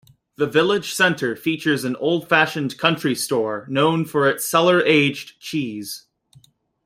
The village center features an old-fashioned country store, known for its cellar-aged cheese.